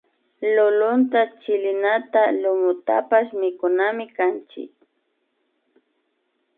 Lulunta chilinata lumutapash mikunamikanchik